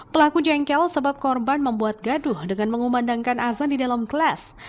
pelaku jengkel sebab korban membuat gaduh dengan mengumandangkan azan di dalam kelas